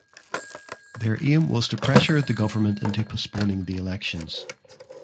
Their aim was to pressure the government into postponing the elections.